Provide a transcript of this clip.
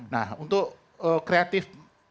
nah untuk kreatif